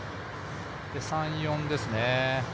３、４ですね。